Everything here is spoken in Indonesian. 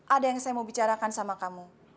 ada yang saya mau bicarakan sama kamu